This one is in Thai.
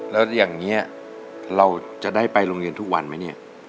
แล้วอย่างนี้เราจะได้ไปโรงเรียนทุกวันไหมเนี่ย